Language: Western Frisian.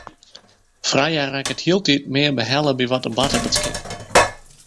Freya rekket hieltyd mear behelle by wat der bart op it skip.